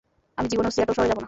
আমি জীবনেও সিয়াটল শহরে যাবো না।